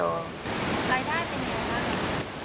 รายได้แอบไหนครับ